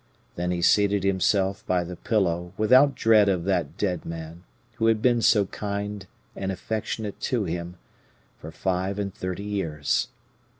Then he seated himself by the pillow without dread of that dead man, who had been so kind and affectionate to him for five and thirty years.